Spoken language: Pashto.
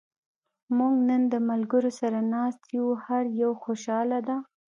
موږ نن د ملګرو سره ناست یو. هر یو خوشحاله دا.